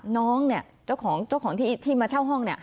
น้องเนี่ยเจ้าของที่มาเช่าห้องเนี่ย